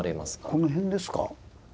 この辺ですか。